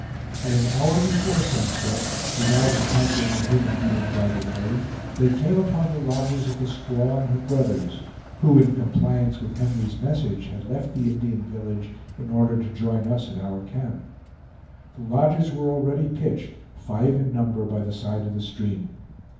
At an hour before sunset, without encountering a human being by the way, they came upon the lodges of the squaw and her brothers, who, in compliance with Henry's message, had left the Indian village in order to join us at our camp. The lodges were already pitched, five in number, by the side of the stream.